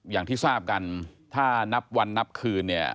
อย่างที่ทราบกันถ้านับวันนับคืนเนี่ย